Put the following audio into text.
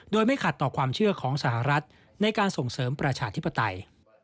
โดยไม่ขัดต่อความเชื่อของสหรัฐในการส่งเสริมประชาธิปไตย